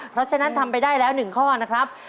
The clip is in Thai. เพราะฉะนั้นทำไปได้แล้ว๑ข้อนะครับ